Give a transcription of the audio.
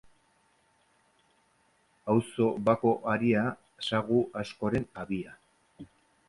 Auzo bako aria, sagu askoren habia.